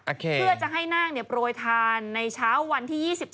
เพื่อจะให้นาคโปรยทานในเช้าวันที่๒๔